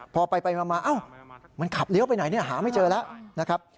พอไปมันขับเลี้ยวไปไหนหาไม่เจอแล้ว